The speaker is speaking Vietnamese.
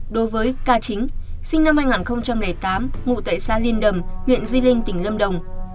đối với k chính sinh năm hai nghìn tám ngụ tại xã liên đầm huyện di linh tỉnh lâm đồng